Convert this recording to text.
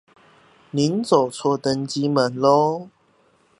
你走錯登機門了